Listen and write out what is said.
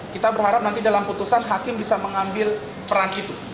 kita berharap nanti dalam putusan hakim bisa mengambil peran itu